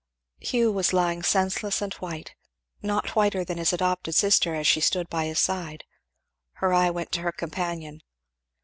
Hugh was lying senseless and white; not whiter than his adopted sister as she stood by his side. Her eye went to her companion.